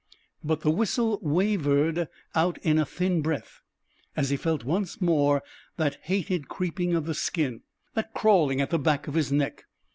But the whistle wavered out in a thin breath, as he felt once more that hated creeping of the skin, that crawling at the back of his neck.